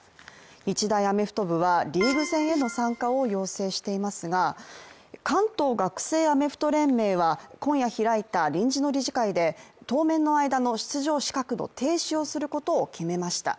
日大アメフト部はリーグ戦への参加を要請していますが関東学生アメフト連盟は今夜開いた臨時の理事会で当面の間の出場資格の停止を決定しました。